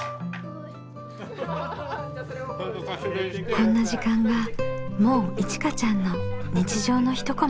こんな時間がもういちかちゃんの日常の一コマです。